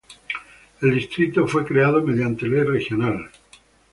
El distrito fue creado mediante Ley Regional No.